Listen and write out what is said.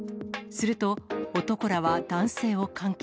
すると、男らは男性を監禁。